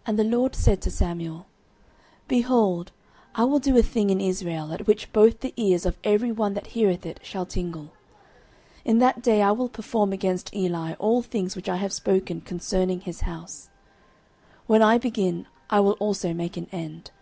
09:003:011 And the LORD said to Samuel, Behold, I will do a thing in Israel, at which both the ears of every one that heareth it shall tingle. 09:003:012 In that day I will perform against Eli all things which I have spoken concerning his house: when I begin, I will also make an end.